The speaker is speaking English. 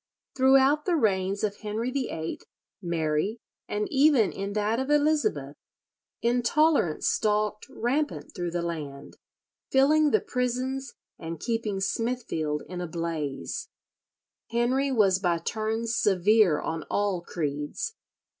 Throughout the reigns of Henry VIII, Mary, and even in that of Elizabeth, intolerance stalked rampant through the land, filling the prisons and keeping Smithfield in a blaze. Henry was by turns severe on all creeds.